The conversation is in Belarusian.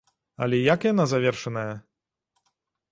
Але як яна завершаная?